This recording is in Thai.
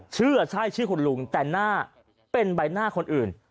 เชื่อใช่ชื่อคุณลุงแต่หน้าเป็นใบหน้าคนอื่น